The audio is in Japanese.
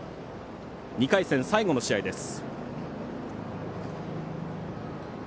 ２回戦、最後の試合です。